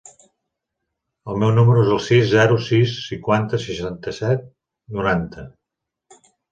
El meu número es el sis, zero, sis, cinquanta, seixanta-set, noranta.